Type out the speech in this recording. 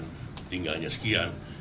sekian tinggalnya sekian